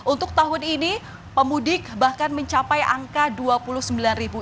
untuk tahun ini pemudik bahkan mencapai angka dua puluh sembilan ribu